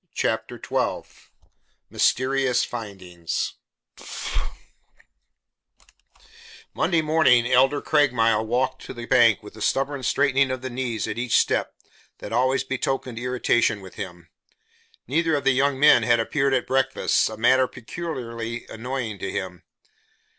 CHAPTER XII MYSTERIOUS FINDINGS Monday morning Elder Craigmile walked to the bank with the stubborn straightening of the knees at each step that always betokened irritation with him. Neither of the young men had appeared at breakfast, a matter peculiarly annoying to him.